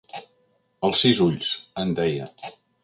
El sis-ulls, en deia.